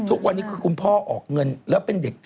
ทุกวันนี้คือคุณพ่อออกเงินแล้วเป็นเด็ก